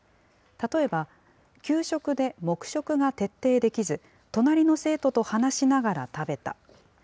例えば、給食で黙食が徹底できず、隣の生徒と話しながら食べた。